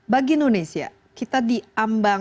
bagi indonesia kita diambil